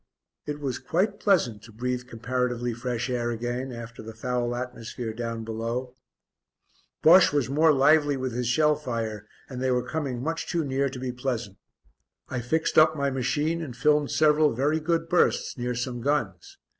It was quite pleasant to breathe comparatively fresh air again after the foul atmosphere down below. Bosche was more lively with his shell fire and they were coming much too near to be pleasant. I fixed up my machine and filmed several very good bursts near some guns.